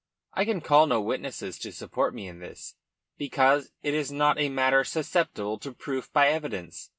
I can call no witnesses to support me in this, because it is not a matter susceptible to proof by evidence.